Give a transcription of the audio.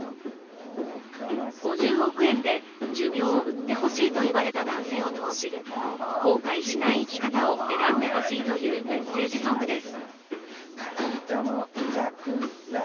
５０億円で寿命を売ってほしいと言われた男性を通し後悔しない生き方を選んでほしいというメッセージソングです。